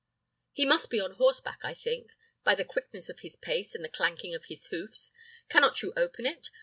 "He must be on horseback, I think, by the quickness of his pace and the clanking of his hoofs. Cannot you open it?